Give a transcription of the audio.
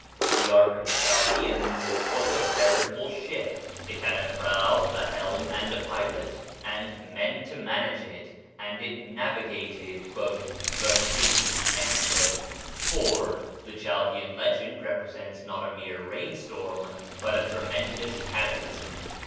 The ark of the Chaldeans was a veritable ship; it had a prow, a helm, and a pilot, and men to manage it; and it navigated "the sea." 4. The Chaldean legend represents not a mere rain storm, but a tremendous cataclysm.